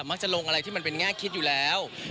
มักจะลงอะไรที่มันเป็นแง่คิดอยู่แล้ว